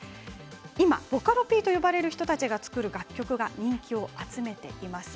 今、ボカロＰと呼ばれる人たちが作る楽曲が人気を集めています。